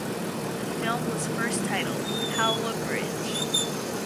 The film was first titled "Howrah Bridge".